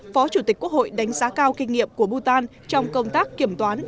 phó chủ tịch quốc hội đánh giá cao kinh nghiệm của bhutan trong công tác kiểm toán